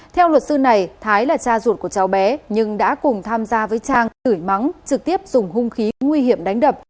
theo luật sư này thái là cha ruột của cháu bé nhưng đã cùng tham gia với trang tử mắng trực tiếp dùng hung khí nguy hiểm đánh đập